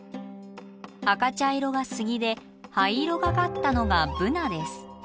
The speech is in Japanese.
赤茶色がスギで灰色がかったのがブナです。